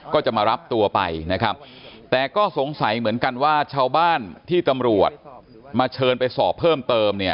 ก็จะมารับตัวไปนะครับแต่ก็สงสัยเหมือนกันว่าชาวบ้านที่ตำรวจมาเชิญไปสอบเพิ่มเติมเนี่ย